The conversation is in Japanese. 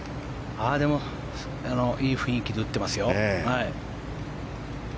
でも、いい雰囲気で打ってますよ。